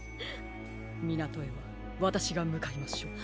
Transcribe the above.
みなとへはわたしがむかいましょう。